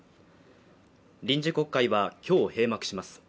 臨時国会は今日閉幕します